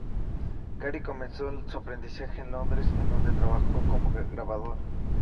Cary comenzó su aprendizaje en Londres, en donde trabajó como grabador.